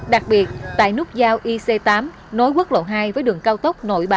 đặc biệt tại nút giao ic tám nối quốc lộ hai với đường cao tốc nội bài